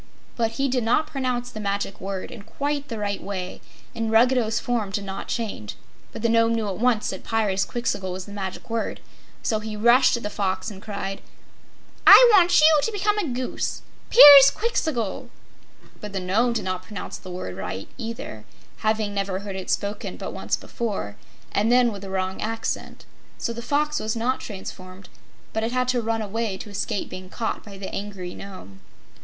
But he did not pronounce the Magic Word in quite the right way, and Ruggedo's form did not change. But the Nome knew at once that "Pyrzqxgl!" was the Magic Word, so he rushed at the Fox and cried: "I want you to become a Goose Pyrzqxgl!" But the Nome did not pronounce the word aright, either, having never heard it spoken but once before, and then with a wrong accent. So the Fox was not transformed, but it had to run away to escape being caught by the angry Nome.